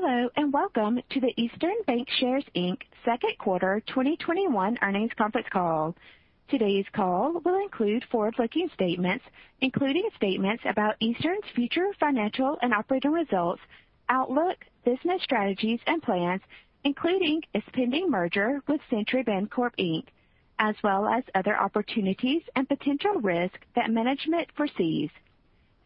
Hello, welcome to the Eastern Bankshares Inc Second Quarter 2021 Earnings Conference Call. Today's call will include forward-looking statements, including statements about Eastern's future financial and operating results, outlook, business strategies and plans, including its pending merger with Century Bancorp Inc, as well as other opportunities and potential risks that management foresees.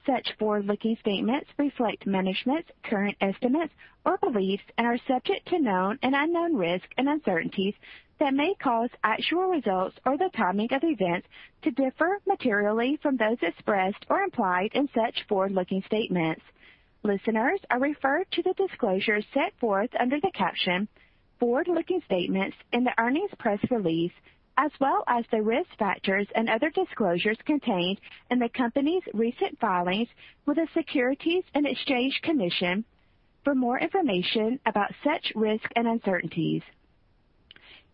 Such forward-looking statements reflect management's current estimates or beliefs and are subject to known and unknown risks and uncertainties that may cause actual results or the timing of events to differ materially from those expressed or implied in such forward-looking statements. Listeners are referred to the disclosures set forth under the caption Forward-Looking Statements in the earnings press release, as well as the risk factors and other disclosures contained in the company's recent filings with the Securities and Exchange Commission for more information about such risks and uncertainties.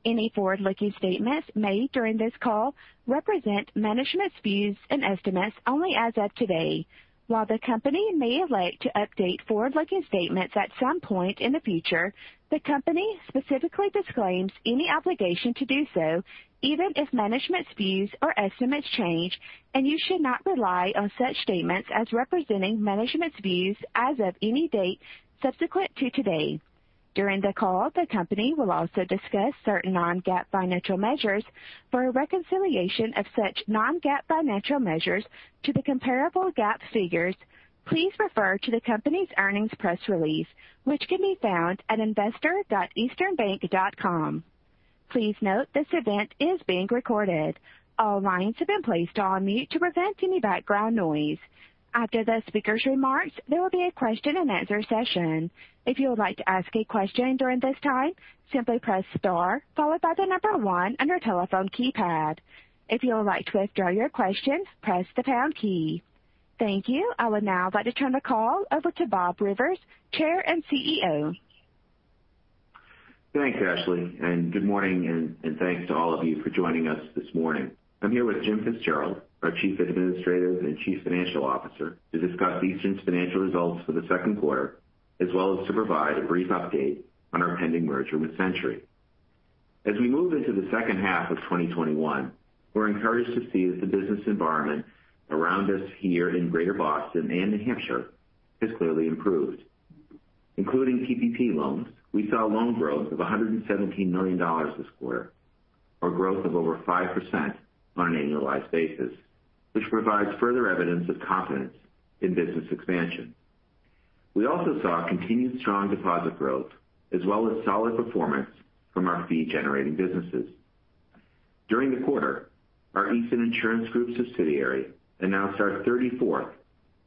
Any forward-looking statements made during this call represent management's views and estimates only as of today. While the company may elect to update forward-looking statements at some point in the future, the company specifically disclaims any obligation to do so, even if management's views or estimates change, and you should not rely on such statements as representing management's views as of any date subsequent to today. During the call, the company will also discuss certain non-GAAP financial measures. For a reconciliation of such non-GAAP financial measures to the comparable GAAP figures, please refer to the company's earnings press release, which can be found at investor.easternbank.com. Please note this event is being recorded. All lines have been placed on mute to prevent any background noise. After the speaker's remarks, there will be a question-and-answer session. If you would like to ask a question during this time, simply press star followed by the number one on your telephone keypad. If you would like to withdraw your question, press the pound key. Thank you. I would now like to turn the call over to Bob Rivers, Chair and CEO. Thanks, Ashley, good morning, and thanks to all of you for joining us this morning. I'm here with Jim Fitzgerald, our Chief Administrative and Chief Financial Officer, to discuss Eastern's financial results for the second quarter, as well as to provide a brief update on our pending merger with Century. As we move into the second half of 2021, we're encouraged to see that the business environment around us here in Greater Boston and New Hampshire has clearly improved. Including PPP loans, we saw loan growth of $117 million this quarter or growth of over 5% on an annualized basis, which provides further evidence of confidence in business expansion. We also saw continued strong deposit growth as well as solid performance from our fee-generating businesses. During the quarter, our Eastern Insurance Group subsidiary announced our 34th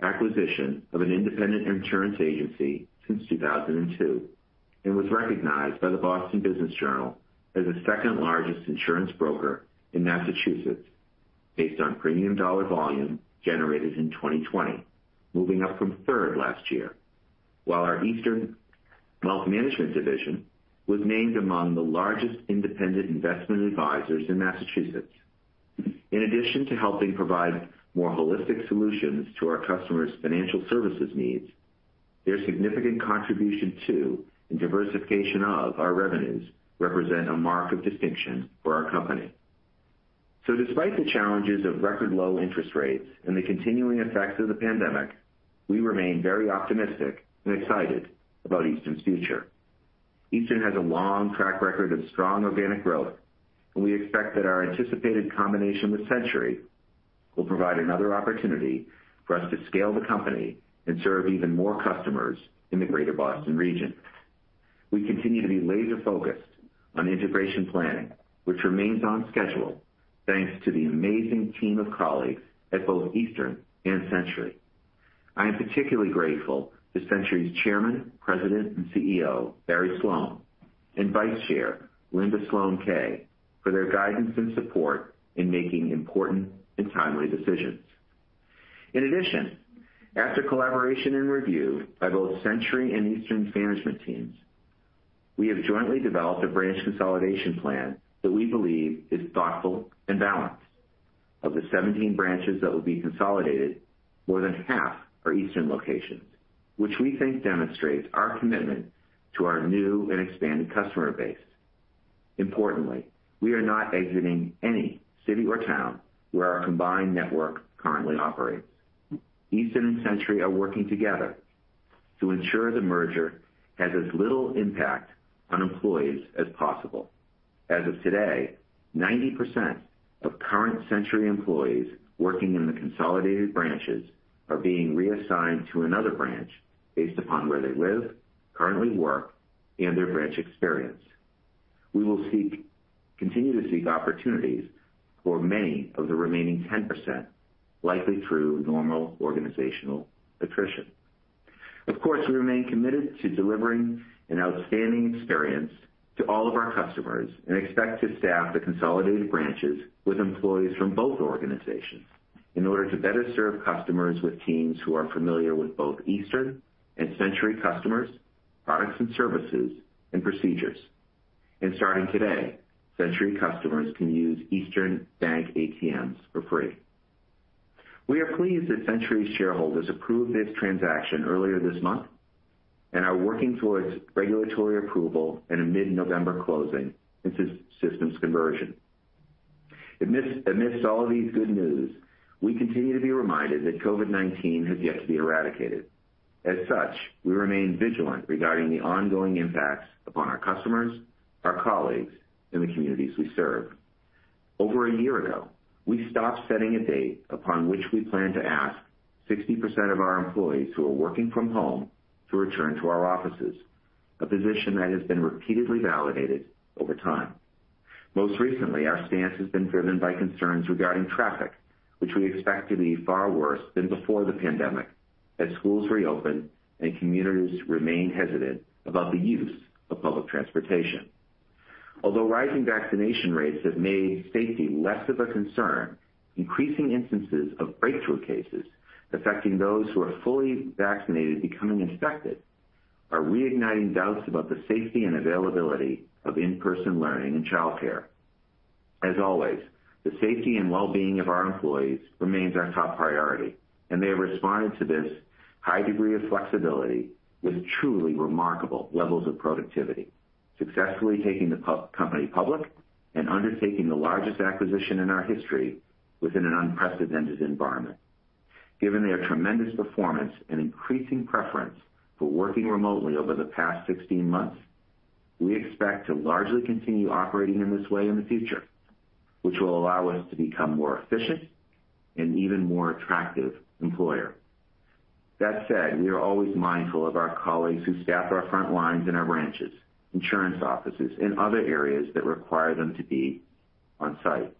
acquisition of an independent insurance agency since 2002 and was recognized by the Boston Business Journal as the second-largest insurance broker in Massachusetts based on premium dollar volume generated in 2020, moving up from third last year. While our Eastern Wealth Management division was named among the largest independent investment advisors in Massachusetts. In addition to helping provide more holistic solutions to our customers' financial services needs, their significant contribution to and diversification of our revenues represent a mark of distinction for our company. Despite the challenges of record low interest rates and the continuing effects of the pandemic, we remain very optimistic and excited about Eastern's future. Eastern has a long track record of strong organic growth, and we expect that our anticipated combination with Century will provide another opportunity for us to scale the company and serve even more customers in the Greater Boston region. We continue to be laser-focused on integration planning, which remains on schedule thanks to the amazing team of colleagues at both Eastern and Century. I am particularly grateful to Century's Chairman, President, and CEO, Barry Sloane, and Vice Chair Linda Sloane Kay, for their guidance and support in making important and timely decisions. In addition, after collaboration and review by both Century and Eastern's management teams, we have jointly developed a branch consolidation plan that we believe is thoughtful and balanced. Of the 17 branches that will be consolidated, more than half are Eastern locations, which we think demonstrates our commitment to our new and expanded customer base. Importantly, we are not exiting any city or town where our combined network currently operates. Eastern and Century are working together to ensure the merger has as little impact on employees as possible. As of today, 90% of current Century employees working in the consolidated branches are being reassigned to another branch based upon where they live, currently work, and their branch experience. We will continue to seek opportunities for many of the remaining 10%, likely through normal organizational attrition. Of course, we remain committed to delivering an outstanding experience to all of our customers and expect to staff the consolidated branches with employees from both organizations in order to better serve customers with teams who are familiar with both Eastern and Century customers, products and services, and procedures. Starting today, Century customers can use Eastern Bank ATMs for free. We are pleased that Century's shareholders approved this transaction earlier this month and are working towards regulatory approval and a mid-November closing and systems conversion. Amidst all of these good news, we continue to be reminded that COVID-19 has yet to be eradicated. As such, we remain vigilant regarding the ongoing impacts upon our customers, our colleagues, and the communities we serve. Over a year ago, we stopped setting a date upon which we plan to ask 60% of our employees who are working from home to return to our offices, a position that has been repeatedly validated over time. Most recently, our stance has been driven by concerns regarding traffic, which we expect to be far worse than before the pandemic, as schools reopen and communities remain hesitant about the use of public transportation. Although rising vaccination rates have made safety less of a concern, increasing instances of breakthrough cases affecting those who are fully vaccinated becoming infected are reigniting doubts about the safety and availability of in-person learning and childcare. As always, the safety and wellbeing of our employees remains our top priority, and they have responded to this high degree of flexibility with truly remarkable levels of productivity, successfully taking the company public and undertaking the largest acquisition in our history within an unprecedented environment. Given their tremendous performance and increasing preference for working remotely over the past 16 months, we expect to largely continue operating in this way in the future, which will allow us to become more efficient and an even more attractive employer. That said, we are always mindful of our colleagues who staff our front lines in our branches, insurance offices, and other areas that require them to be on-site.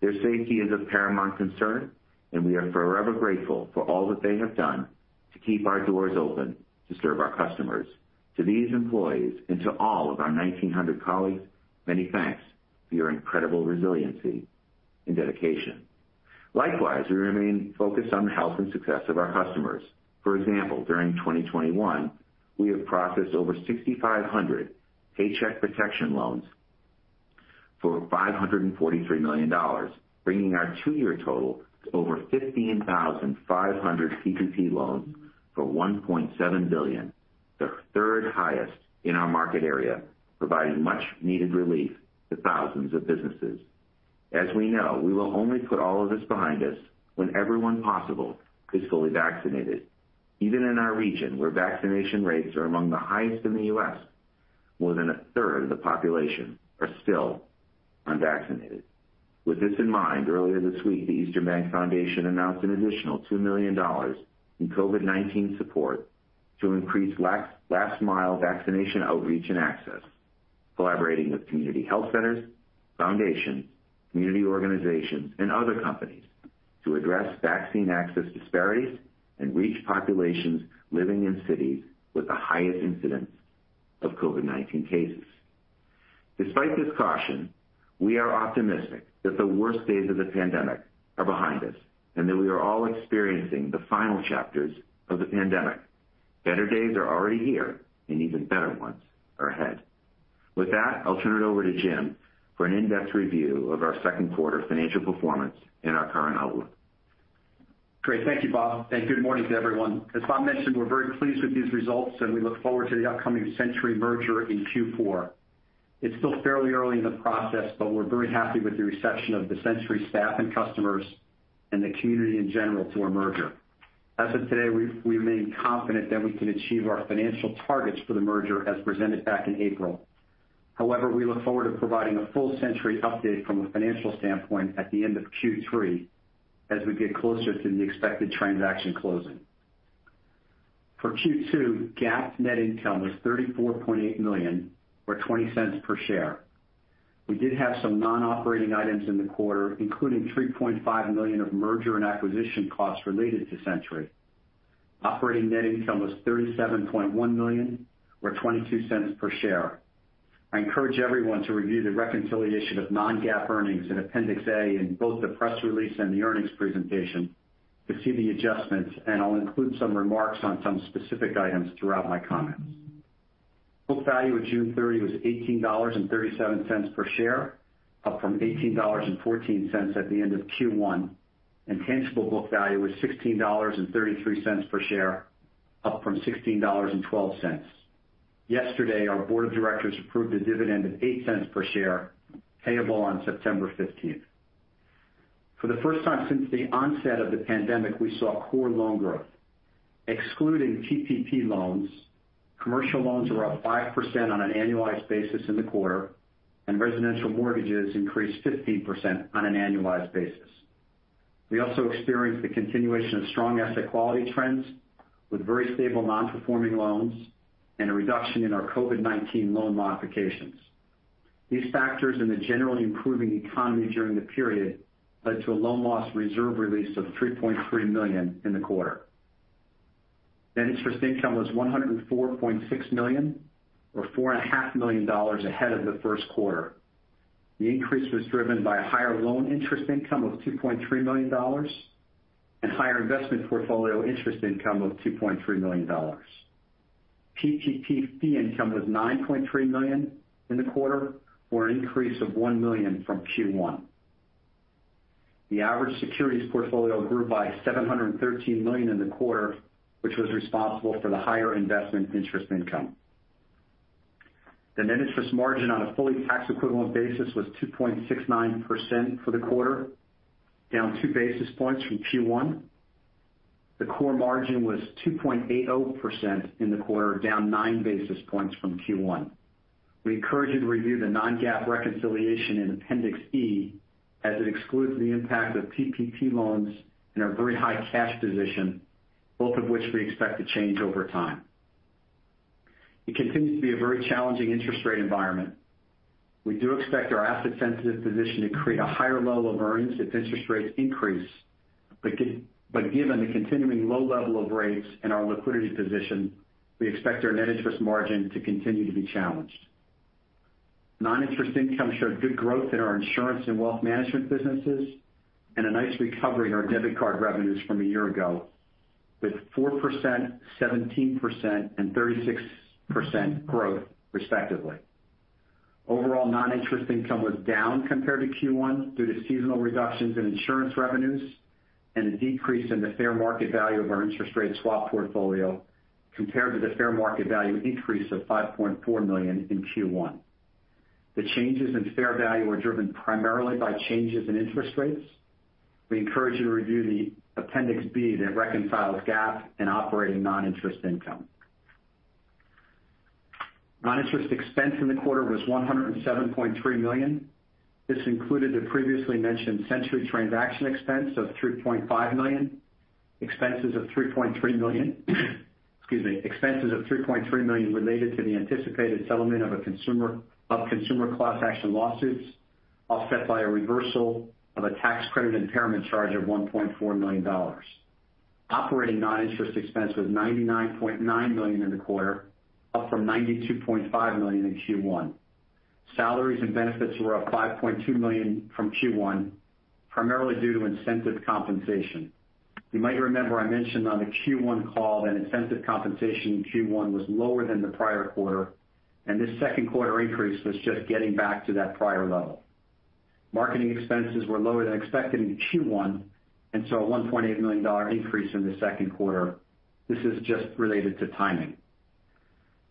Their safety is of paramount concern. We are forever grateful for all that they have done to keep our doors open to serve our customers. To these employees and to all of our 1,900 colleagues, many thanks for your incredible resiliency and dedication. Likewise, we remain focused on the health and success of our customers. For example, during 2021, we have processed over 6,500 Paycheck Protection loans for $543 million, bringing our two-year total to over 15,500 PPP loans for $1.7 billion, the third highest in our market area, providing much needed relief to thousands of businesses. As we know, we will only put all of this behind us when everyone possible is fully vaccinated. Even in our region, where vaccination rates are among the highest in the U.S., more than a 1/3 of the population are still unvaccinated. With this in mind, earlier this week, the Eastern Bank Foundation announced an additional $2 million in COVID-19 support to increase last mile vaccination outreach and access, collaborating with community health centers, foundations, community organizations, and other companies to address vaccine access disparities and reach populations living in cities with the highest incidence of COVID-19 cases. Despite this caution, we are optimistic that the worst days of the pandemic are behind us, and that we are all experiencing the final chapters of the pandemic. Better days are already here, and even better ones are ahead. With that, I'll turn it over to Jim for an in-depth review of our second quarter financial performance and our current outlook. Great. Thank you, Bob, and good morning to everyone. As Bob mentioned, we're very pleased with these results, and we look forward to the upcoming Century merger in Q4. It's still fairly early in the process, but we're very happy with the reception of the Century staff and customers and the community in general to our merger. As of today, we remain confident that we can achieve our financial targets for the merger as presented back in April. However, we look forward to providing a full Century update from a financial standpoint at the end of Q3 as we get closer to the expected transaction closing. For Q2, GAAP net income was $34.8 million, or $0.20 per share. We did have some non-operating items in the quarter, including $3.5 million of merger and acquisition costs related to Century. Operating net income was $37.1 million, or $0.22 per share. I encourage everyone to review the reconciliation of non-GAAP earnings in Appendix A in both the press release and the earnings presentation to see the adjustments, and I'll include some remarks on some specific items throughout my comments. Book value at June 30 was $18.37 per share, up from $18.14 at the end of Q1. Tangible book value was $16.33 per share, up from $16.12. Yesterday, our Board of Directors approved a dividend of $0.08 per share, payable on September 15th. For the first time since the onset of the pandemic, we saw core loan growth. Excluding PPP loans, commercial loans were up 5% on an annualized basis in the quarter, and residential mortgages increased 15% on an annualized basis. We also experienced the continuation of strong asset quality trends with very stable non-performing loans and a reduction in our COVID-19 loan modifications. These factors in the generally improving economy during the period led to a loan loss reserve release of $3.3 million in the quarter. Net interest income was $104.6 million, or $4.5 million ahead of the first quarter. The increase was driven by higher loan interest income of $2.3 million and higher investment portfolio interest income of $2.3 million. PPP fee income was $9.3 million in the quarter, or an increase of $1 million from Q1. The average securities portfolio grew by $713 million in the quarter, which was responsible for the higher investment interest income. The net interest margin on a fully tax-equivalent basis was 2.69% for the quarter, down 2 basis points from Q1. The core margin was 2.80% in the quarter, down 9 basis points from Q1. We encourage you to review the non-GAAP reconciliation in Appendix E, as it excludes the impact of PPP loans and our very high cash position, both of which we expect to change over time. It continues to be a very challenging interest rate environment. We do expect our asset-sensitive position to create a higher level of earnings if interest rates increase. Given the continuing low level of rates and our liquidity position, we expect our net interest margin to continue to be challenged. Non-interest income showed good growth in our insurance and wealth management businesses and a nice recovery in our debit card revenues from a year ago, with 4%, 17%, and 36% growth respectively. Overall non-interest income was down compared to Q1 due to seasonal reductions in insurance revenues and a decrease in the fair market value of our interest rate swap portfolio compared to the fair market value increase of $5.4 million in Q1. The changes in fair value were driven primarily by changes in interest rates. We encourage you to review the Appendix B that reconciles GAAP and operating non-interest income. Non-interest expense in the quarter was $107.3 million. This included the previously mentioned Century transaction expense of $3.5 million. Expenses of $3.3 million related to the anticipated settlement of consumer class action lawsuits, offset by a reversal of a tax credit impairment charge of $1.4 million. Operating non-interest expense was $99.9 million in the quarter, up from $92.5 million in Q1. Salaries and benefits were up $5.2 million from Q1, primarily due to incentive compensation. You might remember I mentioned on the Q1 call that incentive compensation in Q1 was lower than the prior quarter, and this second quarter increase was just getting back to that prior level. Marketing expenses were lower than expected in Q1, a $1.8 million increase in the second quarter. This is just related to timing.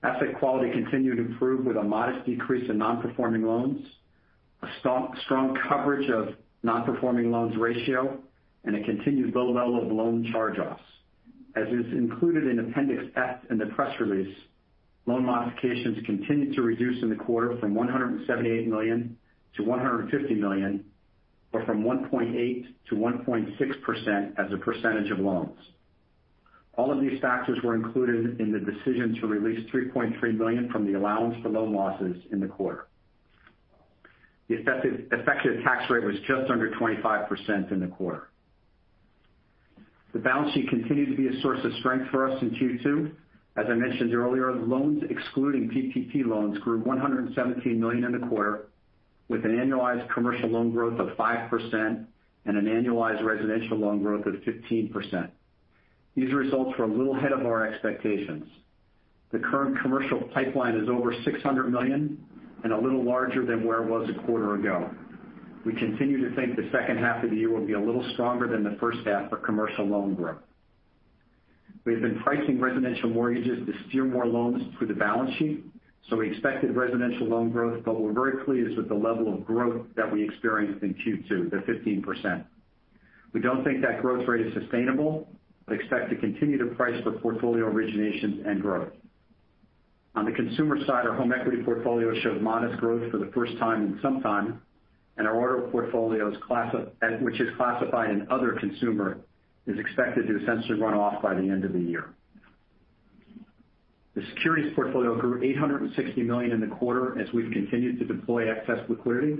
Asset quality continued to improve with a modest decrease in non-performing loans, a strong coverage of non-performing loans ratio, and a continued low level of loan charge-offs. As is included in Appendix F in the press release, loan modifications continued to reduce in the quarter from $178 million to $150 million, or from 1.8% to 1.6% as a percentage of loans. All of these factors were included in the decision to release $3.3 million from the allowance for loan losses in the quarter. The effective tax rate was just under 25% in the quarter. The balance sheet continued to be a source of strength for us in Q2. As I mentioned earlier, loans excluding PPP loans grew $117 million in the quarter with an annualized commercial loan growth of 5% and an annualized residential loan growth of 15%. These results were a little ahead of our expectations. The current commercial pipeline is over $600 million and a little larger than where it was a quarter ago. We continue to think the second half of the year will be a little stronger than the first half for commercial loan growth. We have been pricing residential mortgages to steer more loans through the balance sheet, so we expected residential loan growth, but we're very pleased with the level of growth that we experienced in Q2, the 15%. We don't think that growth rate is sustainable, but expect to continue to price for portfolio originations and growth. On the consumer side, our home equity portfolio showed modest growth for the first time in some time, and our auto portfolios which is classified in other consumer, is expected to essentially run off by the end of the year. The securities portfolio grew $860 million in the quarter as we've continued to deploy excess liquidity.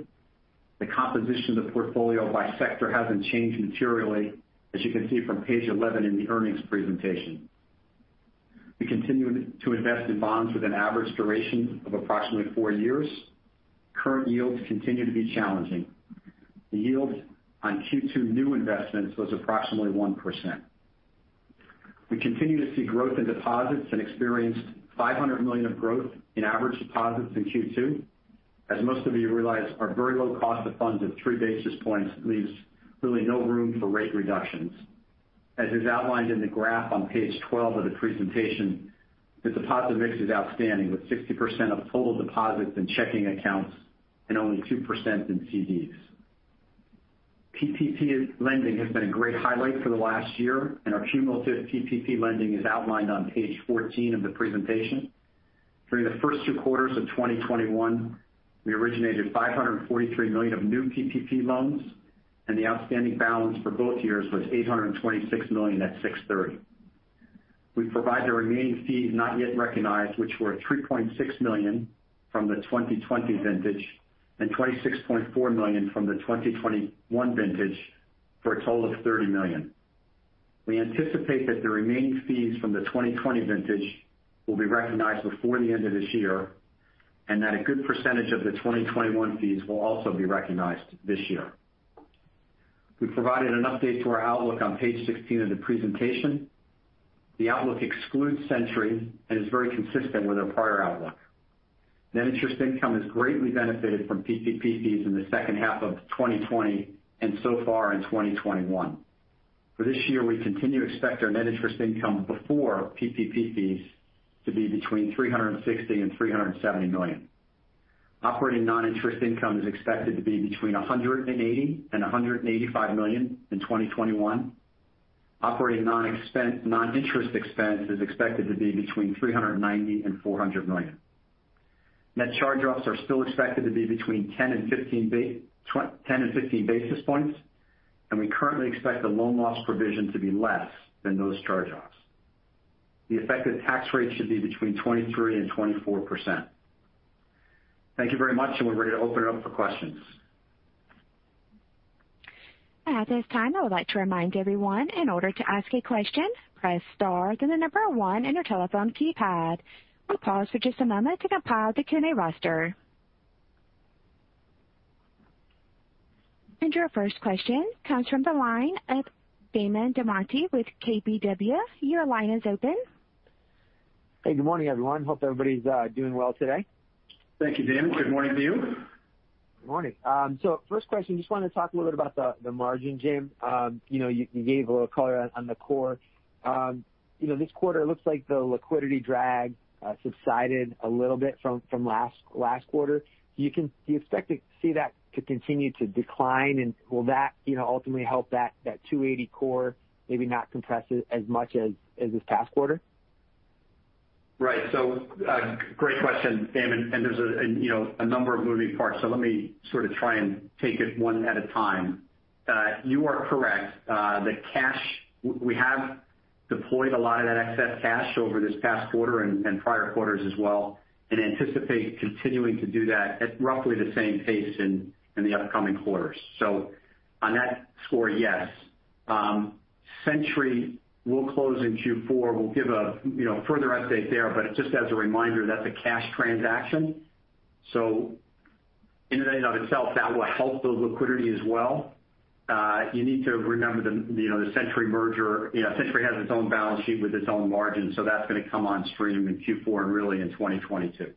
The composition of the portfolio by sector hasn't changed materially, as you can see from page 11 in the earnings presentation. We continue to invest in bonds with an average duration of approximately four years. Current yields continue to be challenging. The yield on Q2 new investments was approximately 1%. We continue to see growth in deposits and experienced $500 million of growth in average deposits in Q2. As most of you realize, our very low cost of funds of 3 basis points leaves really no room for rate reductions. As is outlined in the graph on page 12 of the presentation, the deposit mix is outstanding, with 60% of total deposits in checking accounts and only 2% in CDs. PPP lending has been a great highlight for the last year, and our cumulative PPP lending is outlined on page 14 of the presentation. During the first two quarters of 2021, we originated $543 million of new PPP loans, and the outstanding balance for both years was $826 million at 6/30. We provide the remaining fees not yet recognized, which were $3.6 million from the 2020 vintage and $26.4 million from the 2021 vintage, for a total of $30 million. We anticipate that the remaining fees from the 2020 vintage will be recognized before the end of this year, and that a good percentage of the 2021 fees will also be recognized this year. We provided an update to our outlook on page 16 of the presentation. The outlook excludes Century and is very consistent with our prior outlook. Net interest income has greatly benefited from PPP fees in the second half of 2020 and so far in 2021. For this year, we continue to expect our net interest income before PPP fees to be between $360 million and $370 million. Operating non-interest income is expected to be between $180 million and $185 million in 2021. Operating non-interest expense is expected to be between $390 million and $400 million. Net charge-offs are still expected to be between 10 and 15 basis points, and we currently expect the loan loss provision to be less than those charge-offs. The effective tax rate should be between 23% and 24%. Thank you very much, and we're ready to open it up for questions. At this time, I would like to remind everyone, in order to ask a question, press star, then the number one on your telephone keypad. We'll pause for just a moment to compile the Q&A roster. Your first question comes from the line of Damon DelMonte with KBW. Your line is open. Hey, good morning, everyone. Hope everybody's doing well today. Thank you, Damon. Good morning to you. Good morning. First question, just want to talk a little bit about the margin, Jim. You gave a little color on the core. This quarter looks like the liquidity drag subsided a little bit from last quarter. Do you expect to see that to continue to decline? Will that ultimately help that 280 core maybe not compress as much as this past quarter? Right. Great question, Damon, and there's a number of moving parts. Let me sort of try and take it one at a time. You are correct. The cash, we have deployed a lot of that excess cash over this past quarter and prior quarters as well, and anticipate continuing to do that at roughly the same pace in the upcoming quarters. On that score, yes. Century will close in Q4. We'll give a further update there, but just as a reminder, that's a cash transaction. In and of itself, that will help the liquidity as well. You need to remember the Century merger. Century has its own balance sheet with its own margins, so that's going to come on stream in Q4, and really in 2022.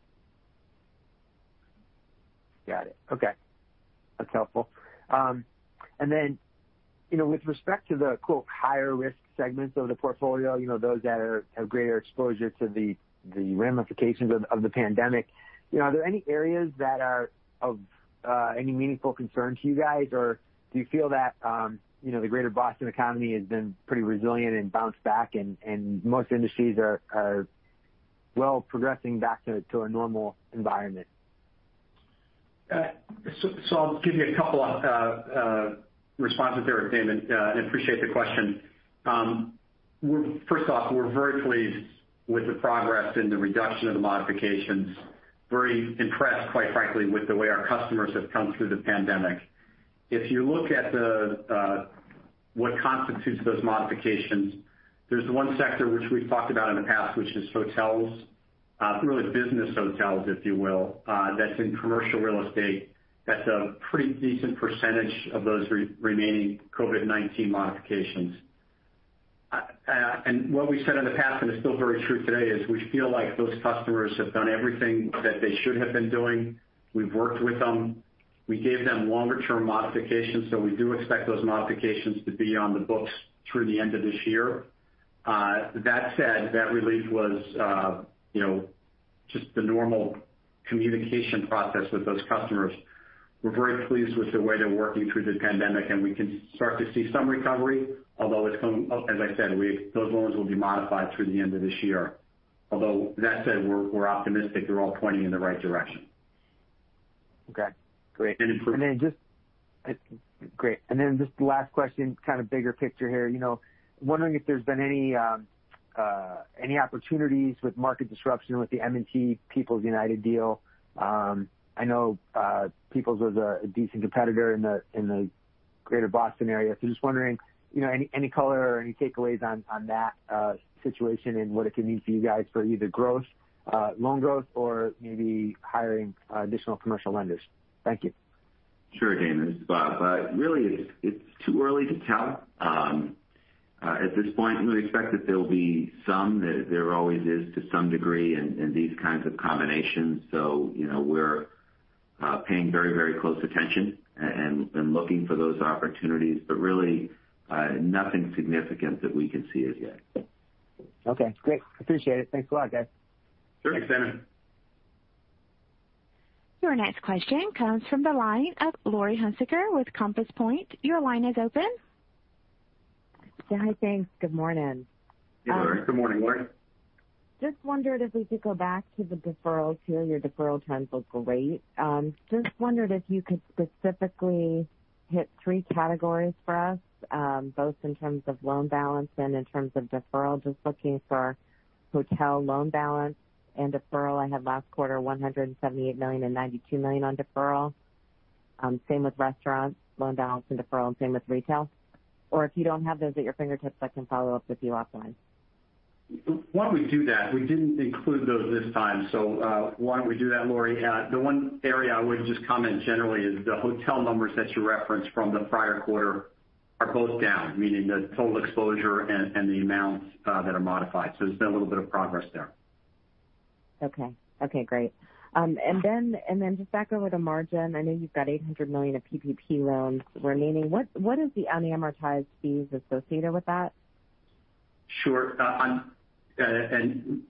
Got it. Okay. That's helpful. Then with respect to the, quote, "higher risk segments of the portfolio," those that have greater exposure to the ramifications of the pandemic, are there any areas that are of any meaningful concern to you guys? Do you feel that the Greater Boston economy has been pretty resilient and bounced back, and most industries are well progressing back to a normal environment? I'll give you a couple of responses there, Damon, and appreciate the question. First off, we're very pleased with the progress in the reduction of the modifications. Very impressed, quite frankly, with the way our customers have come through the pandemic. If you look at what constitutes those modifications, there's one sector which we've talked about in the past, which is hotels, really business hotels, if you will, that's in commercial real estate. That's a pretty decent percentage of those remaining COVID-19 modifications. What we've said in the past, and it's still very true today, is we feel like those customers have done everything that they should have been doing. We've worked with them. We gave them longer-term modifications, so we do expect those modifications to be on the books through the end of this year. That said, that really was just the normal communication process with those customers. We're very pleased with the way they're working through the pandemic, and we can start to see some recovery. Although, as I said, those loans will be modified through the end of this year. Although, that said, we're optimistic they're all pointing in the right direction. Okay. Great. Improved. Great. Then just the last question, kind of bigger picture here. Wondering if there's been any opportunities with market disruption with the M&T/People's United deal. I know People's was a decent competitor in the greater Boston area. Just wondering, any color or any takeaways on that situation and what it could mean for you guys for either growth, loan growth, or maybe hiring additional commercial lenders? Thank you. Sure, Damon. It's Bob. Really, it's too early to tell at this point. We expect that there'll be some. There always is to some degree in these kinds of combinations. We're paying very close attention and looking for those opportunities. Really, nothing significant that we can see as yet. Okay, great. Appreciate it. Thanks a lot, guys. Sure. Thanks, Damon. Your next question comes from the line of Laurie Hunsicker with Compass Point. Your line is open. Yeah, thanks. Good morning. Hey, Laurie. Good morning, Laurie. Just wondered if we could go back to the deferrals here. Your deferral trends look great. Just wondered if you could specifically hit three categories for us, both in terms of loan balance and in terms of deferral. Just looking for hotel loan balance and deferral. I had last quarter $178 million and $92 million on deferral. Same with restaurants, loan balance and deferral, and same with retail. If you don't have those at your fingertips, I can follow up with you offline. Why don't we do that? We didn't include those this time. Why don't we do that, Laurie? The one area I would just comment generally is the hotel numbers that you referenced from the prior quarter are both down, meaning the total exposure and the amounts that are modified. There's been a little bit of progress there. Okay. Okay, great. Just back over to margin, I know you've got $800 million of PPP loans remaining. What is the unamortized fees associated with that? Sure.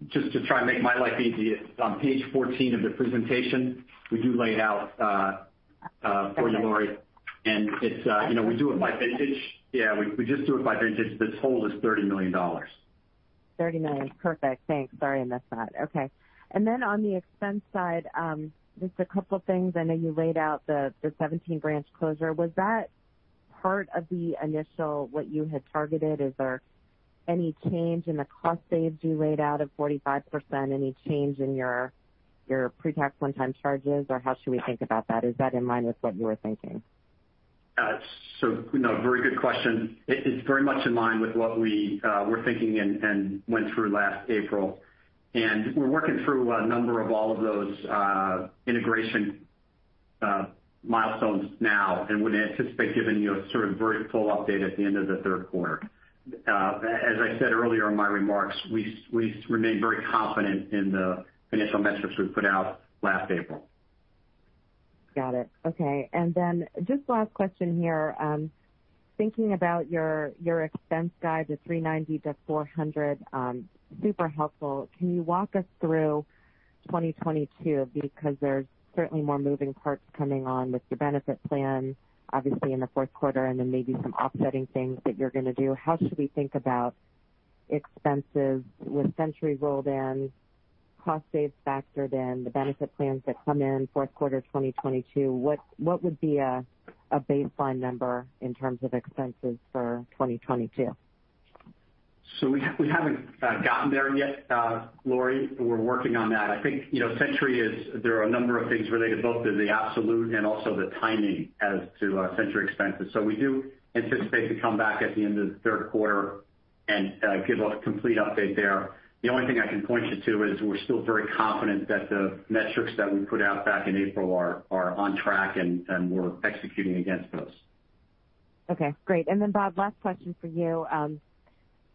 Just to try and make my life easy, on page 14 of the presentation, we do lay it out for you, Laurie. Okay. We do it by vintage. Yeah, we just do it by vintage. The total is $30 million. $30 million. Perfect. Thanks. Sorry, I missed that. On the expense side, just a couple things. I know you laid out the 17 branch closure. Was that part of the initial, what you had targeted? Is there any change in the cost saves you laid out of 45%? Any change in your pre-tax one-time charges? How should we think about that? Is that in line with what you were thinking? No, very good question. It's very much in line with what we were thinking and went through last April. We're working through a number of all of those integration milestones now, and would anticipate giving you a sort of very full update at the end of the third quarter. As I said earlier in my remarks, we remain very confident in the initial metrics we put out last April. Got it. Okay. Just last question here. Thinking about your expense guide to $390 million-$400 million. Super helpful. Can you walk us through 2022? There's certainly more moving parts coming on with your benefit plan, obviously in the fourth quarter, and then maybe some offsetting things that you're going to do. How should we think about expenses with Century rolled in, cost saves factored in, the benefit plans that come in fourth quarter 2022? What would be a baseline number in terms of expenses for 2022? We haven't gotten there yet, Laurie. We're working on that. I think, Century is, there are a number of things related both to the absolute and also the timing as to Century expenses. We do anticipate to come back at the end of the third quarter and give a complete update there. The only thing I can point you to is we're still very confident that the metrics that we put out back in April are on track, and we're executing against those. Okay, great. Bob, last question for you.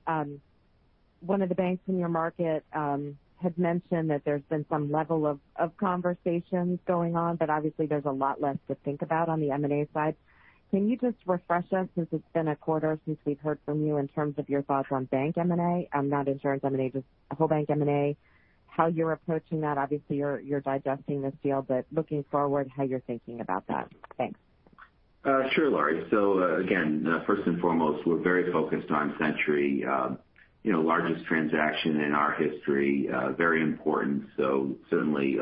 One of the banks in your market had mentioned that there's been some level of conversations going on, but obviously there's a lot less to think about on the M&A side. Can you just refresh us, since it's been a quarter since we've heard from you, in terms of your thoughts on bank M&A? Not insurance M&A, just whole bank M&A. How you're approaching that. Obviously, you're digesting this deal, but looking forward, how you're thinking about that. Thanks. Sure, Laurie. Again, first and foremost, we're very focused on Century. Largest transaction in our history. Very important. Certainly,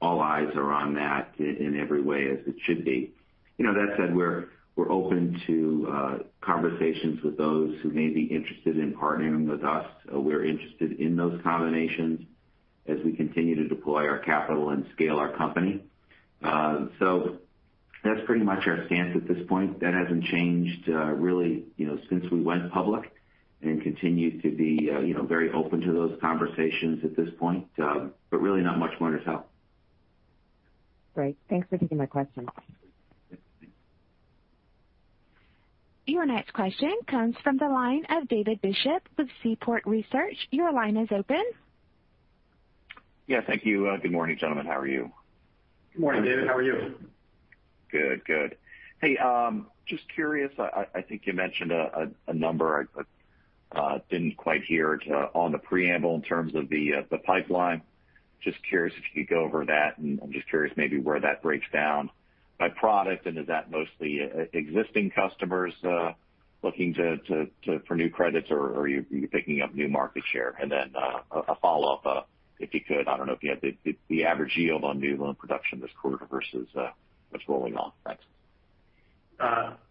all eyes are on that in every way, as it should be. That said, we're open to conversations with those who may be interested in partnering with us. We're interested in those combinations as we continue to deploy our capital and scale our company. That's pretty much our stance at this point. That hasn't changed really since we went public and continue to be very open to those conversations at this point. Really not much more to tell. Great. Thanks for taking my question. Your next question comes from the line of David Bishop with Seaport Research. Your line is open. Yeah, thank you. Good morning, gentlemen. How are you? Good morning, David. How are you? Good. Hey, just curious, I think you mentioned a number I didn't quite hear on the preamble in terms of the pipeline. Just curious if you could go over that, and I'm just curious maybe where that breaks down by product, and is that mostly existing customers looking for new credits, or are you picking up new market share? A follow-up, if you could, I don't know if you have the average yield on new loan production this quarter versus what's rolling off. Thanks.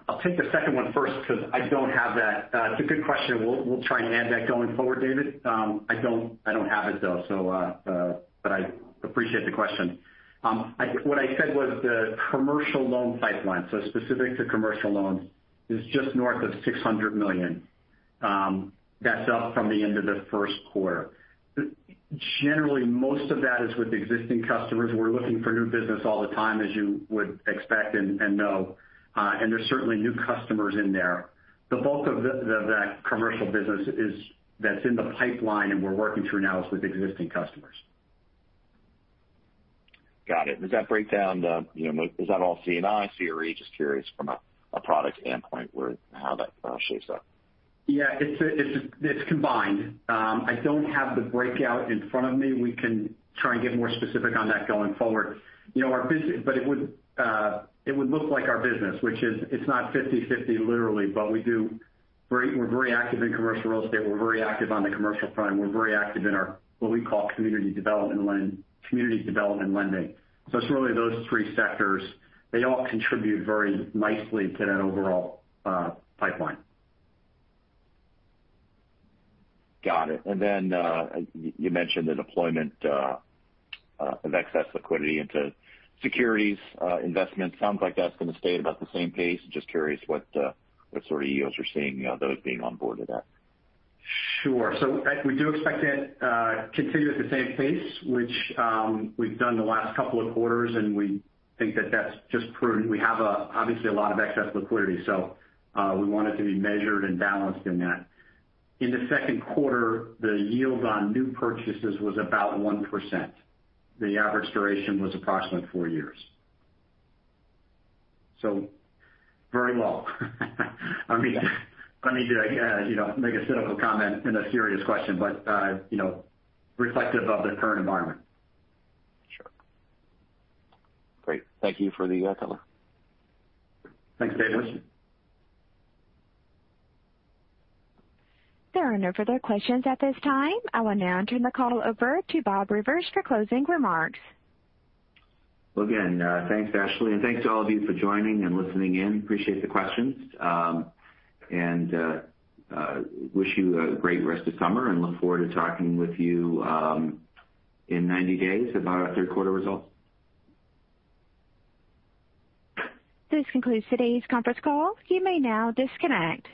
I'll take the second one first because I don't have that. It's a good question. We'll try and add that going forward, David. I don't have it, though. I appreciate the question. What I said was the commercial loan pipeline, so specific to commercial loans, is just north of $600 million. That's up from the end of the first quarter. Generally, most of that is with existing customers. We're looking for new business all the time, as you would expect and know. There's certainly new customers in there. The bulk of that commercial business that's in the pipeline and we're working through now is with existing customers. Got it. Does that break down the, is that all C&I, CRE? Just curious from a product standpoint how that shapes up. Yeah, it's combined. I don't have the breakout in front of me. We can try and get more specific on that going forward. It would look like our business, which is not 50/50 literally, but we're very active in commercial real estate. We're very active on the commercial front, and we're very active in our what we call community development lending. It's really those three sectors. They all contribute very nicely to that overall pipeline. Got it. You mentioned the deployment of excess liquidity into securities investments. Sounds like that's going to stay at about the same pace. Just curious what sort of yields you're seeing on those being onboarded up. Sure. We do expect that to continue at the same pace, which we've done the last couple of quarters, and we think that that's just prudent. We have obviously a lot of excess liquidity. We want it to be measured and balanced in that. In the second quarter, the yield on new purchases was about 1%. The average duration was approximately four years. Very low. I don't mean to make a cynical comment in a serious question, but reflective of the current environment. Sure. Great. Thank you for the color. Thanks, David. There are no further questions at this time. I will now turn the call over to Bob Rivers for closing remarks. Again, thanks, Ashley, thanks to all of you for joining and listening in. Appreciate the questions. Wish you a great rest of summer and look forward to talking with you in 90 days about our third quarter results. This concludes today's conference call. You may now disconnect.